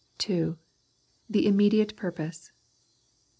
2. The Immediate Purpose.